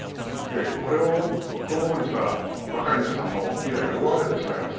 これをこのままにしたら若い皆さんの未来が奪われてしまいます。